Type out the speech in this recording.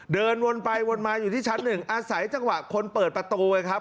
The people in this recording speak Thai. เดินวนไปวนมาอยู่ที่ชั้นหนึ่งอาศัยจังหวะคนเปิดประตูไงครับ